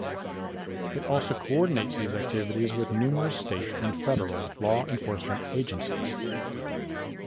It also coordinates these activities with numerous state and federal law enforcement agencies.